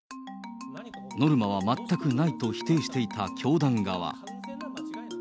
ノルマは全くないと否定していた教団側。